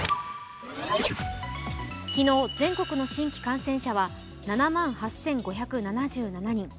昨日、全国の新規感染者は７万８５７７人。